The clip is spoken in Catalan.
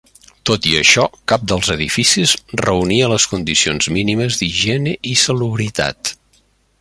Tot i això, cap dels edificis reunia les condicions mínimes d'higiene i salubritat.